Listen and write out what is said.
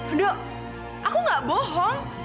udah aku gak bohong